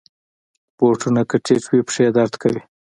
بوټونه که ټیټ وي، پښې درد کوي.